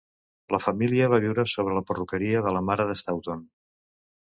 La família va viure sobre la perruqueria de la mare de Staunton.